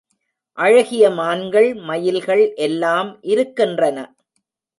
அழகிய மான்கள், மயில்கள் எல்லாம் இருக்கின்றன.